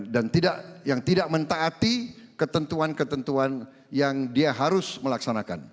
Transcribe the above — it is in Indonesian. dan yang tidak mentaati ketentuan ketentuan yang dia harus melaksanakan